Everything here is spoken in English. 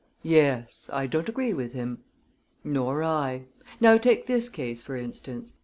"Yes. I don't agree with him." "Nor I. Now take this case, for instance.